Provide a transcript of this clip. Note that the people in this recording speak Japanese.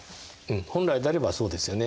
本来であればそうですよね。